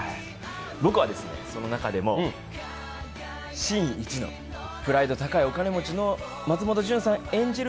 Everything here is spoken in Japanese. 僕はその中でもプライド高い御曹司の松本潤さん演じる